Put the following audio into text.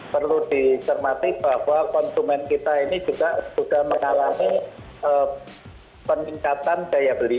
perlu dicermati bahwa konsumen kita ini juga sudah mengalami peningkatan daya beli